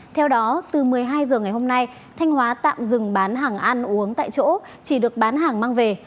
theo đó từ một mươi hai h ngày hôm nay thanh hóa tạm dừng bán hàng ăn uống tại chỗ chỉ được bán hàng mang về